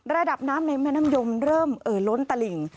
ระดับน้ำในแม่น้ำยมเริ่มเอ่อล้นตลิ่ง